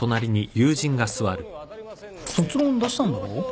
卒論出したんだろ？